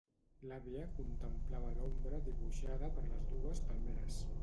L’àvia contemplava l’ombra dibuixada per les dues palmeres.